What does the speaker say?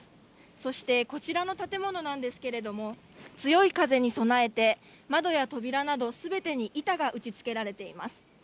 そしてこちらの建物なんですけれども、強い風に備えて、窓や扉などすべてに板が打ちつけられています。